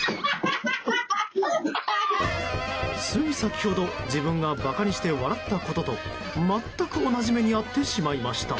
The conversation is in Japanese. つい先ほど自分がばかにして笑ったことと全く同じ目に遭ってしまいました。